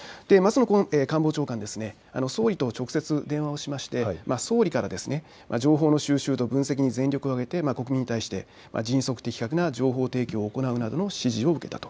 官房長官、総理と直接、電話をしまして総理から情報の収集と分析に全力を挙げて国民に対して迅速・的確な情報提供を行うなどの指示を受けたと。